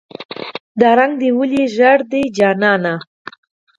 "دا رنګ دې ولې زیړ دی جانانه".